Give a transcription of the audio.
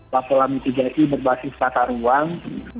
pakulam tiga i berbasis kata ruang